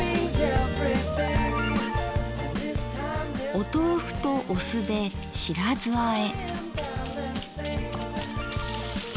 お豆腐とお酢で「白酢あえ」。